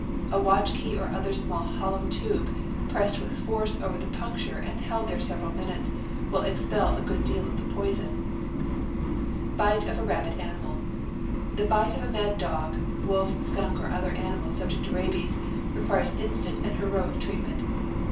A watch key or other small hollow tube pressed with force over the puncture and held there several minutes will expel a good deal of the poison. The bite of a mad dog, wolf, skunk, or other animal subject to rabies, requires instant and heroic treat ^., ment.